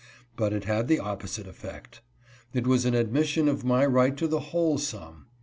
But it had the opposite effect. It was an admission of my right to the whole sum.